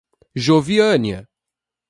Joviânia